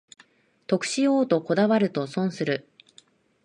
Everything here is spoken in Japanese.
得しようとこだわると損する